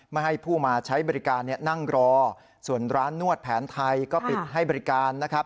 ไม่ให้ผู้มาใช้บริการนั่งรอส่วนร้านนวดแผนไทยก็ปิดให้บริการนะครับ